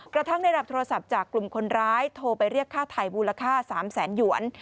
กระทั่งได้รับโทรศัพท์จากกลุ่มคนร้ายโทรไปเรียกค่าถ่ายมูลค่า๓แสนหยวน